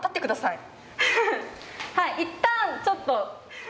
いったんちょっと。